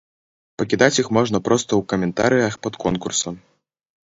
Пакідаць іх можна проста ў каментарыях пад конкурсам.